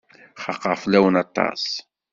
Xaqeɣ fell-awen aṭas.